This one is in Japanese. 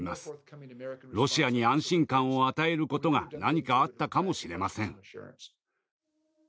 ロシアに安心感を与えることが何かあったかもしれません。